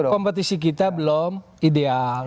kompetisi kita belum ideal